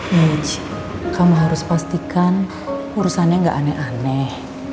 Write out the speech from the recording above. mich kamu harus pastikan urusannya nggak aneh aneh